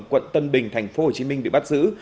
quận tân bình tp hcm bị bắt giữ